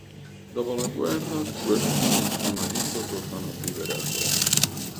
Dopo la guerra Guerzoni e suo marito tornano a vivere a Roma.